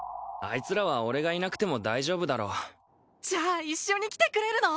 いつらは俺がいなくても大丈夫だろうじゃあ一緒に来てくれるの？